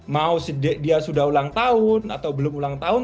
mau dia sudah ulang tahun atau belum ulang tahun